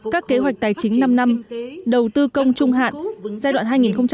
các kế hoạch tài chính năm năm đầu tư công trung hạn giai đoạn hai nghìn hai mươi một hai nghìn hai mươi năm